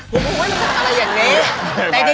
ผมไม่มีประโยชน์อะไรอย่างนี้